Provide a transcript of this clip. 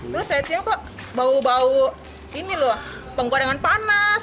terus saya cium kok bau bau ini loh penggorengan panas